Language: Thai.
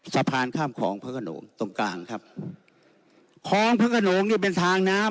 สะพานข้ามของพระขนงตรงกลางครับคลองพระขนงนี่เป็นทางน้ำ